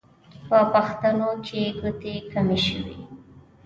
په پښتنو کې ګوتې کمې شوې.